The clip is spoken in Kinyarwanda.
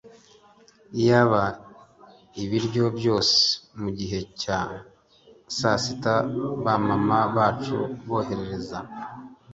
iyaba ibiryo byose mugihe cya sasita ba mama bacu bohereza